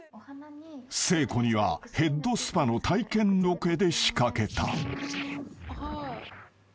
［誠子にはヘッドスパの体験ロケで仕掛けた］